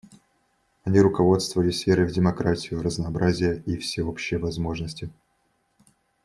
Они руководствовались верой в демократию, разнообразие и всеобщие возможности.